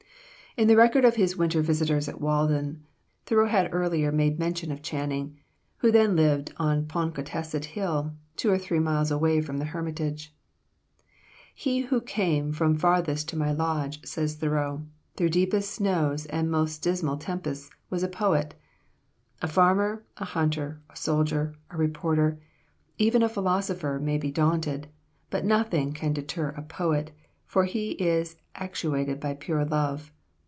In the record of his winter visitors at Walden, Thoreau had earlier made mention of Channing, who then lived on Ponkawtasset Hill, two or three miles away from the hermitage. "He who came from farthest to my lodge," says Thoreau, "through deepest snows and most dismal tempests, was a poet. A farmer, a hunter, a soldier, a reporter, even a philosopher may be daunted, but nothing can deter a poet, for he is actuated by pure love.